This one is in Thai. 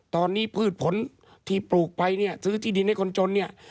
ตอนนี้พืชผลที่ปลูกไปซื้อที่ดินให้คนจน